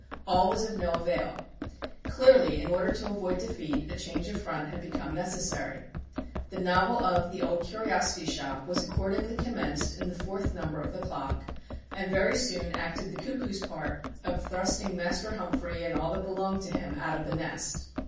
All was of no avail. Clearly, in order to avoid defeat, a change of front had become necessary. The novel of "The Old Curiosity Shop" was accordingly commenced in the fourth number of the Clock, and very soon acted the cuckoo's part of thrusting Master Humphrey and all that belonged to him out of the nest.